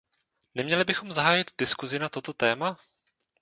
Neměli bychom zahájit diskusi na toto téma?